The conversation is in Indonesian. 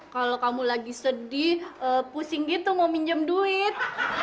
kalau kamu lagi sedih pusing gitu mau minjem duit